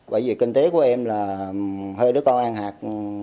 bởi vì kinh tế của em là hơi đứa con ăn hạt